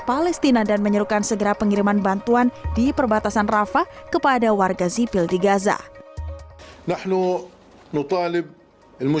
palestina dan menyerukan segera pengiriman bantuan di perbatasan rafa kepada warga zipil di gaza